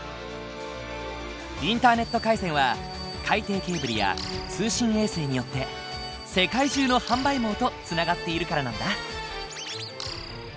インターネット回線は海底ケーブルや通信衛星によって世界中の販売網とつながっているからなんだ。